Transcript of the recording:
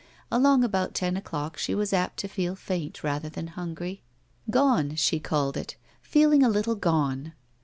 Along about ten o'clock she was apt to feel faint rather than hungry. Gone," she called it. "Peeling a little gone.